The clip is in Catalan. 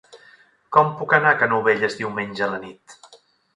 Com puc anar a Canovelles diumenge a la nit?